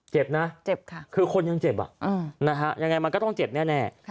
เจ็บนะเจ็บค่ะคือคนยังเจ็บยังไงมันก็ต้องเจ็บแน่